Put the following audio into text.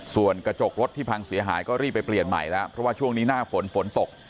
ส่วนกระจกรถที่พังเสียหายก็รีบไปเปลี่ยนใหม่แล้วเพราะว่าช่วงนี้หน้าฝนฝนตก